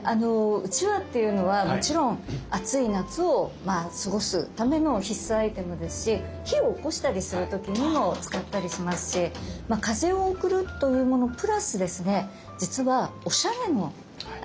うちわっていうのはもちろん暑い夏を過ごすための必須アイテムですし火をおこしたりする時にも使ったりしますし風を送るというものプラスですね